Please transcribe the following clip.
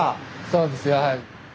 そうですよはい。